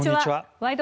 「ワイド！